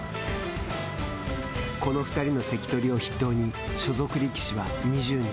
この２人の関取を筆頭に所属力士は２０人。